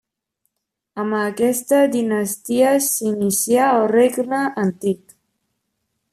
Amb aquesta dinastia s'inicia el Regne antic.